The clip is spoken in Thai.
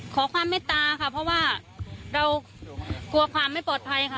ขอความเมตตาค่ะเพราะว่าเรากลัวความไม่ปลอดภัยค่ะ